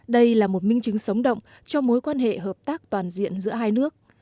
đây là một minh chứng sống động cho mối quan hệ hợp tác toàn diện giữa hai nước